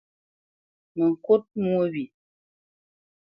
Mə ŋkút mwô wye!